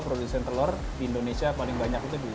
produsen telor di indonesia paling banyak itu di indonesia